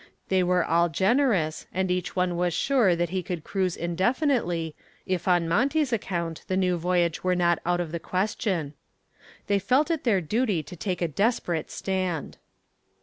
They were all generous and each one was sure that he could cruise indefinitely, if on Monty's account the new voyage were not out of the question. They felt it their duty to take a desperate stand.